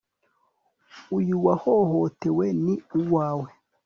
uyu wahohotewe ni uwawe